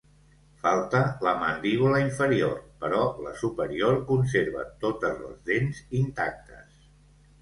Falta la mandíbula inferior, però la superior conserva totes les dents intactes.